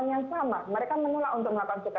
mereka mengolah untuk melakukan suket